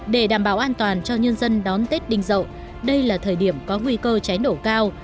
để đảm bảo an toàn cho nhân dân đón tết đinh dậu đây là thời điểm có nguy cơ cháy nổ cao